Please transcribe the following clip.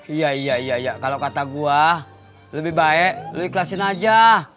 iya iya iya kalau kata gue lebih baik lo ikhlasin aja